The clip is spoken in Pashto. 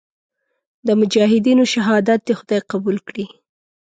د مجاهدینو شهادت دې خدای قبول کړي.